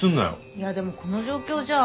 いやでもこの状況じゃ。